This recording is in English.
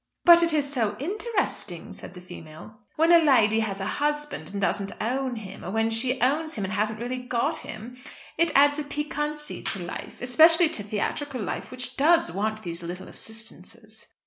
"But it is so interesting," said the female, "when a lady has a husband and doesn't own him; or when she owns him and hasn't really got him; it adds a piquancy to life, especially to theatrical life, which does want these little assistances."